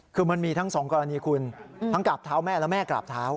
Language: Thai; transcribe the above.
คือมันมีทั้งสองกรณีคุณทั้งกราบเท้าแม่และแม่กราบเท้า